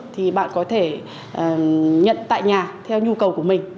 thì bạn có thể nhận tại nhà theo nhu cầu của mình